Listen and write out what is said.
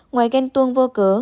ngoài ghen tuông vô cớ